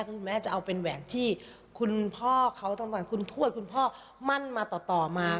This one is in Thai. ถึงแม้จะเอาเป็นแหวนที่คุณพ่อเขาต้องการคุณทวดคุณพ่อมั่นมาต่อมา